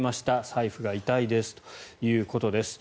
財布が痛いですということです。